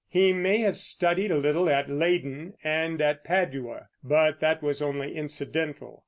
He may have studied a little at Leyden and at Padua, but that was only incidental.